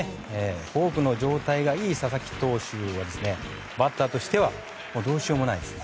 フォークの状態がいい佐々木投手はバッターとしてはどうしようもないです。